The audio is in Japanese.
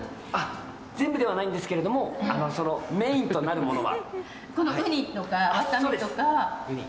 全部ではないんですけどもメインとなるものは。